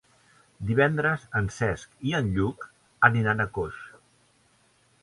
Divendres en Cesc i en Lluc aniran a Coix.